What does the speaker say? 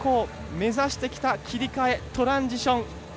目指してきた切り替えトランジション。